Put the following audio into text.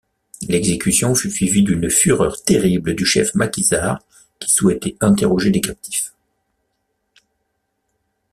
L'exécution fut suivie d'une fureur terrible du chef maquisard, qui souhaitait interroger les captifs.